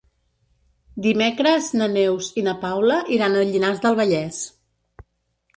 Dimecres na Neus i na Paula iran a Llinars del Vallès.